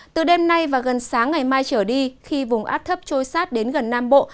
từ đêm nay và gần sáng ngày mai trở đi khi vùng áp thấp trôi sát đến gần nam bộ